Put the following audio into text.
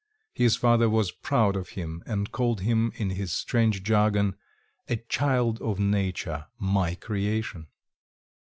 His father was proud of him and called him in his strange jargon "a child of nature, my creation."